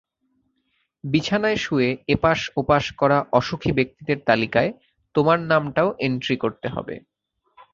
বিছানায় শুয়ে এপাশ-ওপাশ করা অসুখী ব্যক্তিদের তালিকায় তোমার নামটাও এন্ট্রি করতে হবে।